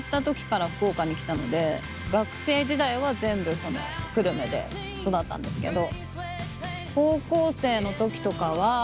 学生時代は全部久留米で育ったんですけど。